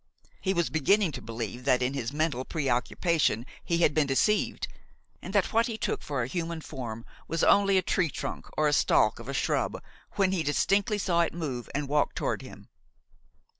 He was beginning to believe that in his mental preoccupation he had been deceived, and that what he took for a human form was only a tree trunk or the stalk of a shrub, when he distinctly saw it move and walk toward him.